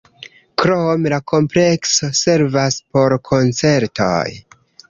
Krome la komplekso servas por koncertoj.